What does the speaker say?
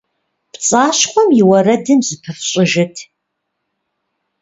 ПцӀащхъуэм и уэрэдым зыпыфщӀыжыт.